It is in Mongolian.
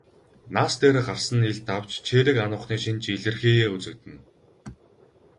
Нас дээр гарсан нь илт авч чийрэг ануухны шинж илэрхийеэ үзэгдэнэ.